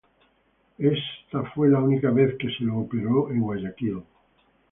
Esta fue la única vez que se lo operó en Guayaquil.